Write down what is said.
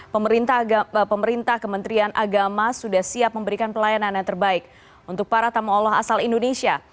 pemerintah kementerian agama sudah siap memberikan pelayanan yang terbaik untuk para tamu allah asal indonesia